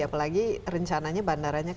apalagi rencananya bandaranya